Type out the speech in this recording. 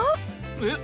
えっ？